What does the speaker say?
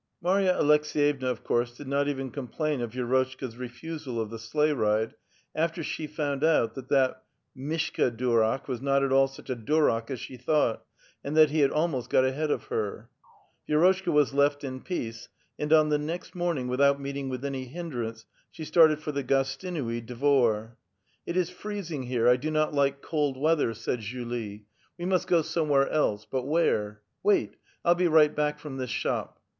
Marta Aleksetevna, of course, did not even complain of Vi^rotchka's refusal of the sleighride, after she found out that that Mishka di^raA: was not at all such a durak as she thought, and that he had almost got ahead of her. Vi^ rotchka was left in peace, and on the next morning, without meeting with any hinderance, she started for the Gostinui Dvor. *' It is freezing here ; I do not like cold weather," said A VITAL QUESTION. 39 Julie. "We must go somewhere else; but where? Wait. 1*11 be right back from this shop."